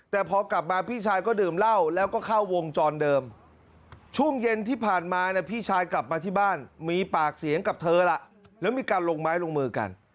แต่พอกลับมาพี่ชายก็ดื่มเหล้าแล้วก็เข้าวงจรเดิมช่วงเย็นที่ผ่านมาเนี่ยพี่ชายกลับมาที่บ้านมีปากเสียงกับเธอล่ะแล้วมีการลงไม้ลงมือกัน